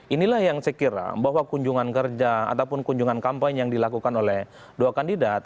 inilah yang saya kira bahwa kunjungan kerja ataupun kunjungan kampanye yang dilakukan oleh dua kandidat